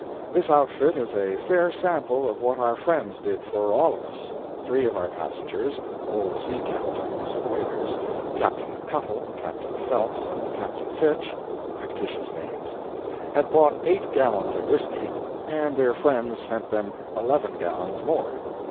This outfit is a fair sample of what our friends did for all of us. Three of our passengers—old sea captains, whalers—Captain Cuttle, Captain Phelps and Captain Fitch (fictitious names)—had bought eight gallons of whisky, and their friends sent them eleven gallons more.